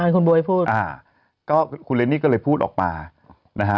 คุณบ๊วยพูดอ่าก็คุณเรนนี่ก็เลยพูดออกมานะฮะ